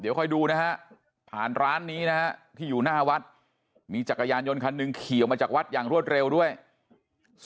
เดี๋ยวค่อยดูนะฮะผ่านร้านนี้นะฮะที่อยู่หน้าวัดมีจักรยานยนต์คันหนึ่งขี่ออกมาจากวัดอย่างรวดเร็วด้วย